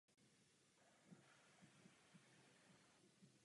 Ve vězení strávil celkem osm let a většinu svých prací napsal právě tam.